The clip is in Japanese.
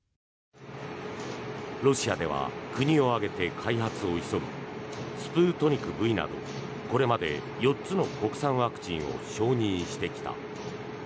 ロシアでは国を挙げて開発を急ぎスプートニクＶなどこれまで４つの国産ワクチンを承認してきた。